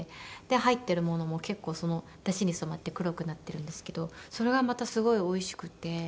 入っているものも結構そのだしに染まって黒くなってるんですけどそれがまたすごいおいしくて。